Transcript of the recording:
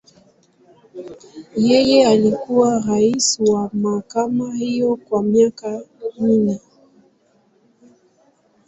Yeye alikuwa rais wa mahakama hiyo kwa miaka minne.